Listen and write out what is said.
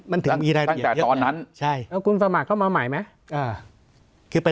ตั้งแต่ตอนนั้นแล้วคุณสมัครเข้ามาใหม่ไหม